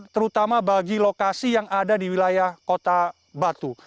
terutama bagi lokasi yang ada di wilayah kota batu